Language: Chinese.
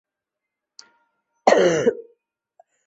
所收的贿赂品由扣押机关依法予以没收上缴国库。